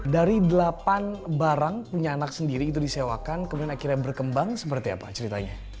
dari delapan barang punya anak sendiri itu disewakan kemudian akhirnya berkembang seperti apa ceritanya